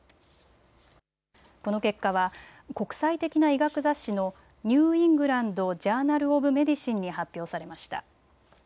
この結果は国際的な医学雑誌のニュー・イングランド・ジャーナル・オブ・メディシンに発表されました。